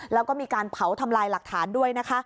แล้วก็มีการเผาทำลายหลักฐานด้วยนะคะ